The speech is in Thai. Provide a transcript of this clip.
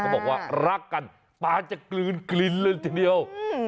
บอกว่ารักกันปานจะกลืนกลินเลยทีเดียว